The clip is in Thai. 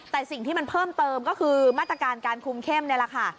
แต่สิ่งที่มันเพิ่มเติมก็คือมาตรการการคุมเข้มนี่แหละค่ะ